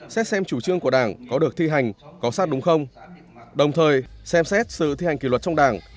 xét xem chủ trương của đảng có được thi hành có sát đúng không đồng thời xem xét sự thi hành kỷ luật trong đảng